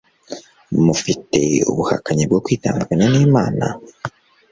mufite ubuhakanyi bwo kwitandukanya n'imana